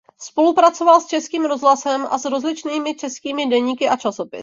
Spolupracoval s Českým rozhlasem a s rozličnými českými deníky a časopisy.